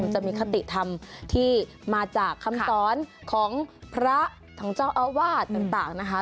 จะมีคติธรรมที่มาจากคำสอนของพระของเจ้าอาวาสต่างนะคะ